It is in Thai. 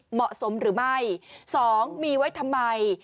เหมาะสมหรือไม่๒มีไว้ทำไม